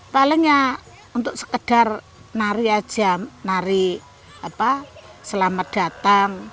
paling ya untuk sekedar nari aja nari selamat datang